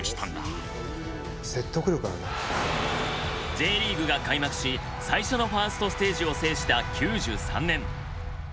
Ｊリーグが開幕し最初のファーストステージを制した９３年。